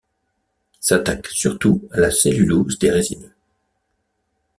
S’attaque surtout à la cellulose des résineux.